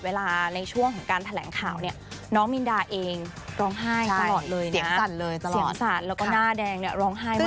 เสียงสั่นแล้วก็หน้าแดงร้องไห้มาสักครู่